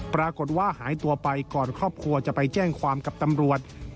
ปรากฏว่าหายตัวไปก่อนครอบครัวจะไปแจ้งความกับตำรวจ